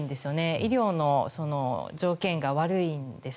医療の状況が悪いんです。